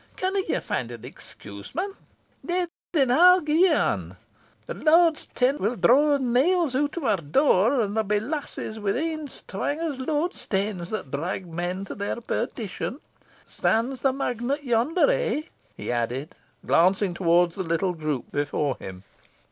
Canna ye find an excuse, man? Nay, then, I'll gi'e ye ane. The loadstane will draw nails out of a door, and there be lassies wi' een strang as loadstanes, that drag men to their perdition. Stands the magnet yonder, eh?" he added, glancing towards the little group before them.